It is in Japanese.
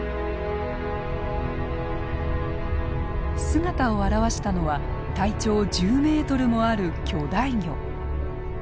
姿を現したのは体長１０ｍもある巨大魚。